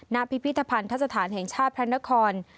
พิพิธภัณฑสถานแห่งชาติพระนคร